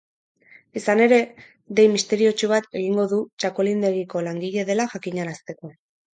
Izan ere, dei misteriotsu bat egingo du txakolindegiko langile dela jakinarazteko.